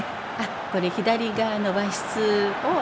これ左側の和室を右側の。